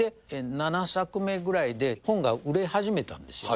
７作目ぐらいで本が売れ始めたんですよね。